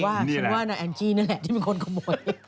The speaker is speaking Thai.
นี่แหละฉันว่าหน้าแอนจี้นั่นแหละที่เป็นคนขโมย